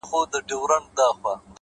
وخت د ضایع شوو فرصتونو غږ نه اوري’